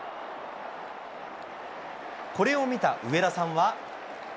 これを見た上田さんは。